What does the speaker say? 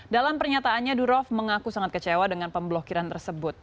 dalam pernyataannya durov mengaku sangat kecewa dengan pemblokiran tersebut